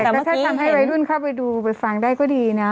แต่ก็ถ้าทำให้วัยรุ่นเข้าไปดูไปฟังได้ก็ดีนะ